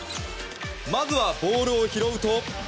まずはボールを拾うと。